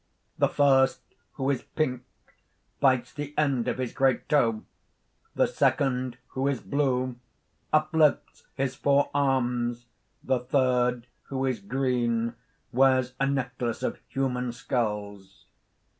_ The first, who is pink, bites the end of his great toe. The second, who is blue, uplifts his four arms. _The third, who is green, wears a necklace of human skulls.